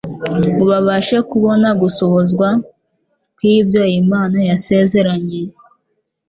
ngo babashe kubona gusohozwa kw'ibyo Imana yasezeranye